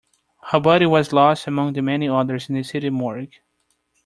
Her body was lost among the many others in the city morgue.